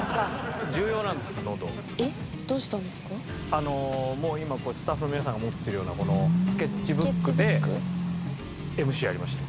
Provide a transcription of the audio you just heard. あの今スタッフの皆さんが持ってるようなこのスケッチブックでＭＣやりました。